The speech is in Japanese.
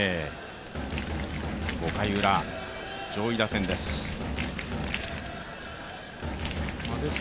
５回ウラ、上位打線です。